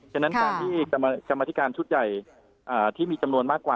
ฉะนั้นการที่กรรมธิการชุดใหญ่ที่มีจำนวนมากกว่า